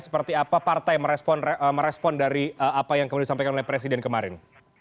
seperti apa partai merespon dari apa yang kemudian disampaikan oleh presiden kemarin